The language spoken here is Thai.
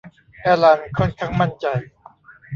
แอลลันค่อนข้างมั่นใจ